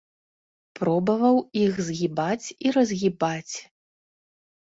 Пробаваў іх згібаць і разгібаць.